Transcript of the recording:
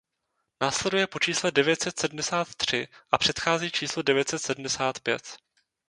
Následuje po čísle devět set sedmdesát tři a předchází číslu devět set sedmdesát pět.